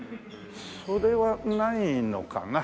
それはないのかな。